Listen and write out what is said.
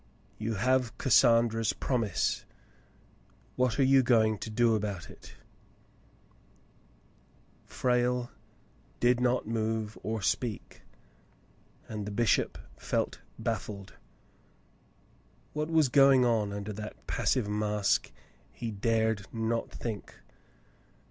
"You have Cassandra's promise ; what are you going to do about it ?" Frale did not move or speak, and the bishop felt baflSed. What was going on under that passive mask he dared not think.